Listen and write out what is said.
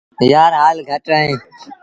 يآر هآل گھٽ اهي۔